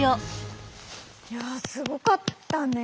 いやすごかったね。